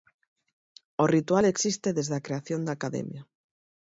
O ritual existe desde a creación da academia.